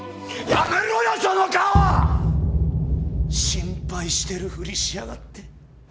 心配してるふりしやがって。